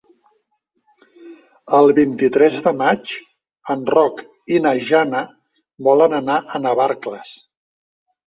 El vint-i-tres de maig en Roc i na Jana volen anar a Navarcles.